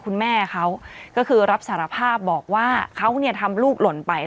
คุณแม่เขาก็คือรับสารภาพบอกว่าเขาเนี่ยทำลูกหล่นไป